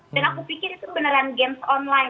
aku pikir itu beneran games online